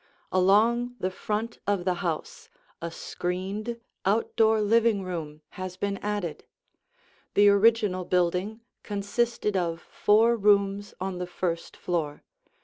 Along the front of the house a screened, outdoor living room has been added. The original building consisted of four rooms on the first floor.